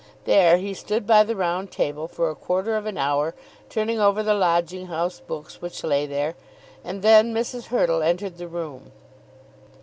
There he stood by the round table for a quarter of an hour turning over the lodging house books which lay there, and then Mrs. Hurtle entered the room.